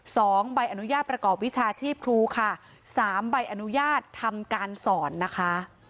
สองใบอนุญาตประกอบวิชาชีพครูค่ะสามใบอนุญาตทำการสอนนะคะ